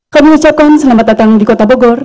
kami ucapkan selamat datang di kota bogor